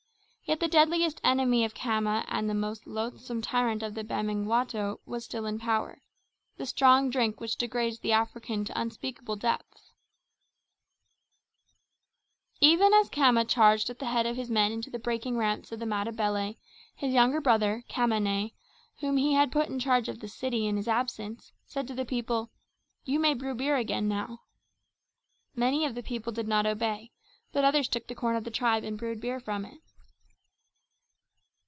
Yet the deadliest enemy of Khama and the most loathsome tyrant of the Bamangwato was still in power, the strong drink which degrades the African to unspeakable depths. Even as Khama charged at the head of his men into the breaking ranks of the Matabele, his younger brother, Khamane, whom he had put in charge of his city in his absence, said to the people: "You may brew beer again now." Many of the people did not obey, but others took the corn of the tribe and brewed beer from it.